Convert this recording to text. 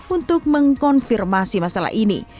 untuk mengkonfirmasi masalah ini